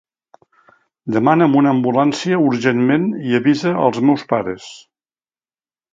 Demana'm una ambulància urgentment i avisa als meus pares.